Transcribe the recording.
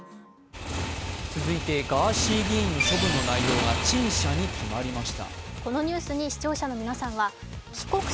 続いてガーシー議員の処分の内容が陳謝に決まりました。